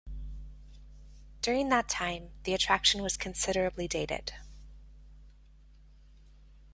During that time, the attraction was considerably dated.